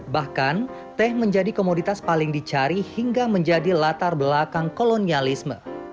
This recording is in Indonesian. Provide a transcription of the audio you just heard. bahkan teh menjadi komoditas paling dicari hingga menjadi latar belakang kolonialisme